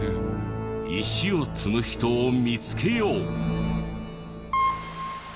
石を積む人を見つけよう！